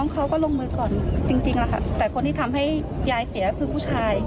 เขาก็ลงมือก่อนจริงแล้วค่ะแต่คนที่ทำให้ยายเสียคือผู้ชาย